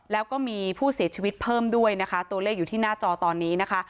แล้วก็มีผู้เสียชีวิตเพิ่มด้วยนะคะตัวเลขอยู่ที่หน้าจอตอนนี้นะคะ